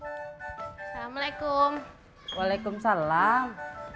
hai assalamualaikum waalaikumsalam